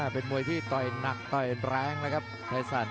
เป็นมวยที่ต่อยหนักต่อยแรงนะครับชัยสั่น